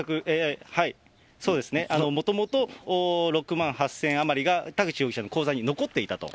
はい、そうですね、もともと６万８０００円余りが田口容疑者の口座に残っていたと。